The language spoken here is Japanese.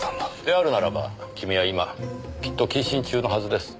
であるならば君は今きっと謹慎中のはずです。